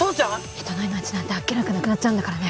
人の命なんてあっけなくなくなっちゃうんだからね。